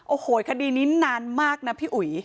โอ้โหคดีนี้นานมากนะพี่อุ๋ย